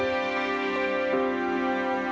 สำคัญด้วยเทพที่ที่เป็นสิ่งที่ผมขอรู้